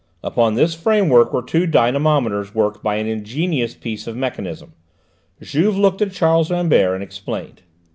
Upon this framework were two dynamometers worked by an ingenious piece of mechanism. Juve looked at Charles Rambert and explained.